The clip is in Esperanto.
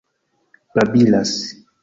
babilas